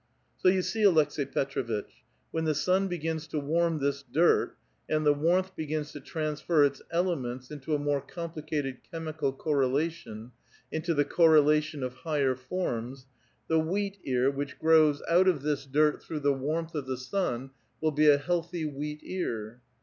" So you see, Aleks^i Petr6vitch, when the sun begins to warm this dirt, and the warmth begins to transfer its ele ments into a more complicated chemical correlation, into the correlation of higher forms, the wheat ear which grows out of IM A VITAL QUESTION. this dirt through the warmth of the sun will be a healthy wheat ear."